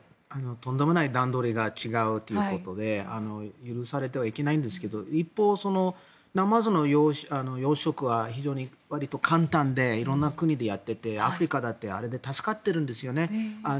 とんでもなく段取りが違うということで許されてはいけないんですが一方、ナマズの養殖は非常にわりと簡単で色んな国でやっていてアフリカだってあれで助かってるんですよね。